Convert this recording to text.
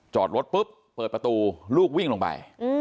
จอดรถปุ๊บเปิดประตูลูกวิ่งลงไป